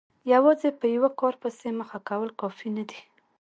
یوازې په یوه کار پسې مخه کول کافي نه دي.